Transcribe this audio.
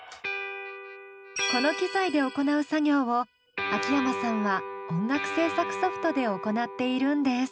この機材で行う作業を秋山さんは音楽制作ソフトで行っているんです。